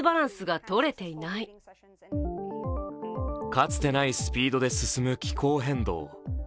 かつてないスピードで進む気候変動。